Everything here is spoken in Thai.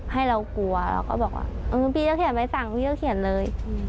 ให้เรากลัวเราก็บอกว่าเออพี่จะเขียนใบสั่งพี่ก็เขียนเลย